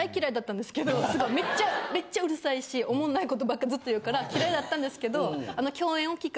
めっちゃめっちゃうるさいしおもんない事ばっかずっと言うから嫌いだったんですけど。